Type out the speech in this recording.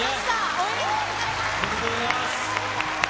おめでとうございます。